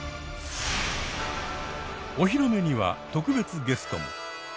お披露目には特別ゲストも！